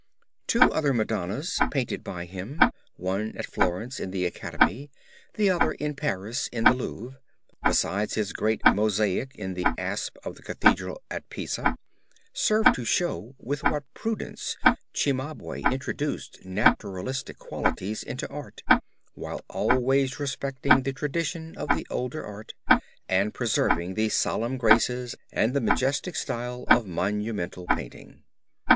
Two other Madonnas painted by him, one at Florence in the Academy, the other in Paris in the Louvre, besides his great Mosaic in the apse of the Cathedral at Pisa, serve to show with what prudence Cimabue introduced naturalistic qualities into art, while always respecting the tradition of the older art and preserving the solemn graces and the majestic style of monumental painting.